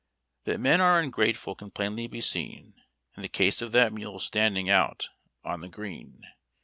' That men are ungrateful can plainly be seen In the case of that mule standing out on the green.